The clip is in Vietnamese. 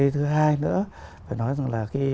thứ hai nữa phải nói rằng là